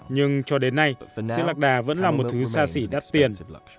nhưng cho đến nay sữa lạc đà vẫn là một thứ xa xỉ đắt tiền